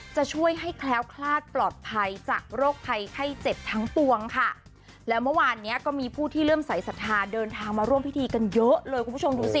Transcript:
จะช่วยให้แคล้วคลาดปลอดภัยจากโรคภัยไข้เจ็บทั้งปวงค่ะแล้วเมื่อวานเนี้ยก็มีผู้ที่เริ่มสายศรัทธาเดินทางมาร่วมพิธีกันเยอะเลยคุณผู้ชมดูสิ